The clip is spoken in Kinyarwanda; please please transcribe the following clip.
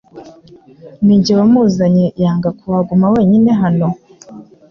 Ninjye wamuzanye yanga kuhaguma wenyine hano?